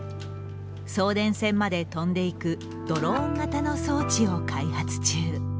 送電線まで飛んでいくドローン型の装置を開発中。